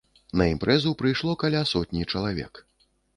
На імпрэзу прыйшло каля сотні чалавек.